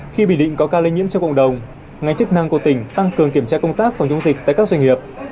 khi bình định có ca lây nhiễm trong cộng đồng ngành chức năng của tỉnh tăng cường kiểm tra công tác phòng chống dịch tại các doanh nghiệp